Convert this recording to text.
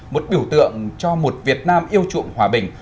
một biểu tượng cho một việt nam yêu chuộng hòa bình